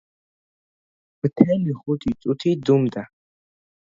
მთელი ხუთი წუთი დუმდა.